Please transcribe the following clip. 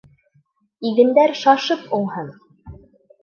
Игендәр шашып уңһын!